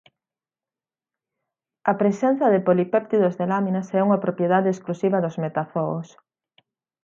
A presenza de polipéptidos de laminas é unha propiedade exclusiva dos metazoos.